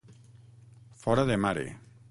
Fora de mare.